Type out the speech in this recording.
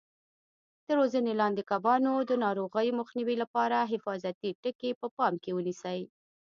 د روزنې لاندې کبانو د ناروغیو مخنیوي لپاره حفاظتي ټکي په پام کې ونیسئ.